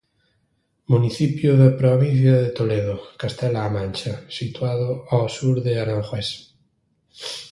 Municipio da provincia de Toledo, Castela-A Mancha, situado ao sur de Aranjuez.